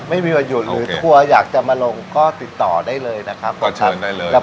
ไม่มีวันหยุดหรือทัวร์อยากจะมาลงก็ติดต่อได้เลยนะครับก็เชิญได้เลยครับ